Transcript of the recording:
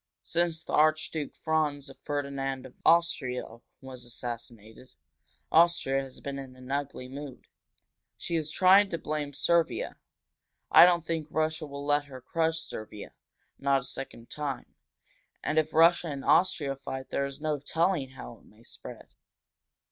"Since the Archduke Franz Ferdinand of Austria was assassinated, Austria has been in an ugly mood. She has tried to blame Servia. I don't think Russia will let her crush Servia not a second time. And if Russia and Austria fight there is no telling how it may spread."